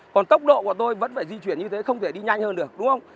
còn tốc độ của tôi vẫn phải di chuyển như thế không thể đi nhanh hơn được đúng không